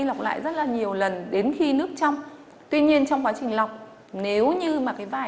lọc lại rất là nhiều lần đến khi nước trong tuy nhiên trong quá trình lọc nếu như mà cái vải